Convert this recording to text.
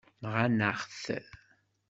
Nɣant-aɣ-t.